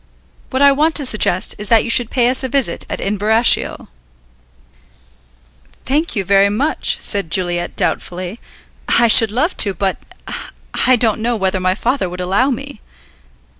What I want to suggest is that you should pay us a visit at Inverashiel." "Thank you very much," said Juliet doubtfully. "I should love to, but I don't know whether my father would allow me."